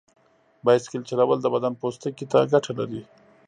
بایسکل چلول د بدن پوستکي ته ګټه لري.